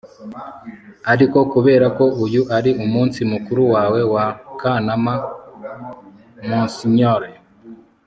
ariko kubera ko uyu ari umunsi mukuru wawe wa kanama, monsignore